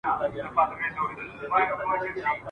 په ګڼ شمېر هېوادونو کي ښځه